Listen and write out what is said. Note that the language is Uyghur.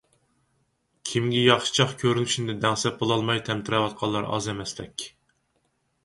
كىمگە ياخشىچاق كۆرۈنۈشنى دەڭسەپ بولالماي تەمتىرەۋاتقانلار ئاز ئەمەستەك.